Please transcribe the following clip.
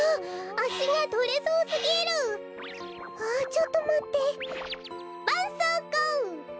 あちょっとまってバンソウコウ！